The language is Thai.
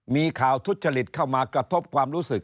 มีข่าวทุจริตเข้ามากระทบความรู้สึก